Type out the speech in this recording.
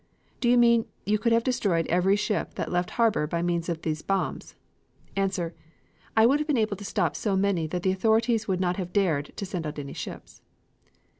Do you mean you could have destroyed every ship that left the harbor by means of those bombs? A. I would have been able to stop so many that the authorities would not have dared (to send out any ships).